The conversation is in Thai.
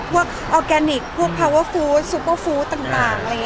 พวกออร์แกนิคพวกพลาวเฟิร์ฟฟู้ดซุปเปอร์ฟู้ดต่าง